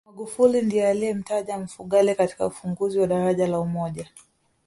magufuli ndiye aliyemtaja mfugale katika ufunguzi wa daraja la umoja